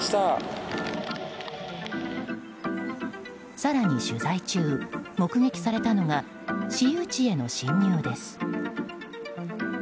更に取材中、目撃されたのが私有地への侵入です。